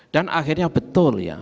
dan akhirnya betul ya